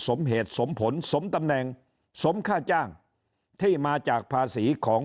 สมเหตุสมผลสมตำแหน่งสมค่าจ้างที่มาจากภาษีของ